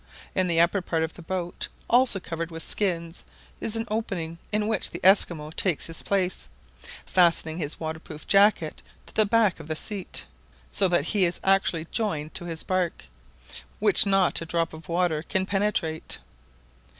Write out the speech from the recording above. In the upper part of the boat; also covered with skins, is an opening in which the Esquimaux takes his place, fastening his waterproof jacket to the back of his seat; so that he is actually joined to his bark, which not a drop of water can penetrate.